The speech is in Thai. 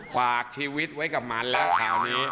ฝากชีวิตไว้กับมันแล้วแถวนี้